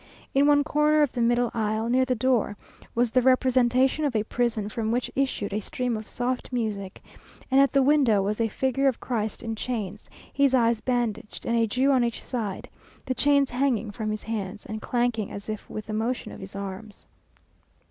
In one corner of the middle aisle, near the door, was the representation of a prison from which issued a stream of soft music, and at the window was a figure of Christ in chains, his eyes bandaged, and a Jew on each side; the chains hanging from his hands, and clanking as if with the motion of his arms.